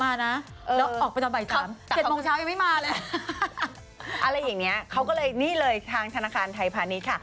อะไรแบบนี้เข้าเลยนี่เลยทางธนาคารไทพานิถ